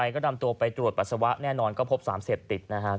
ก็นำตัวไปตรวจปัสสาวะแน่นอนก็พบสารเสพติดนะครับ